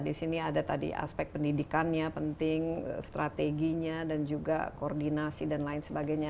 di sini ada tadi aspek pendidikannya penting strateginya dan juga koordinasi dan lain sebagainya